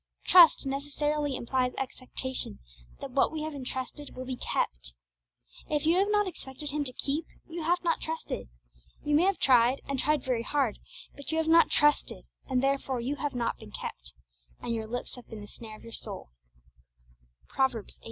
_ Trust necessarily implies expectation that what we have entrusted will be kept. If you have not expected Him to keep, you have not trusted. You may have tried, and tried very hard, but you have not trusted, and therefore you have not been kept, and your lips have been the snare of your soul (Prov. xviii.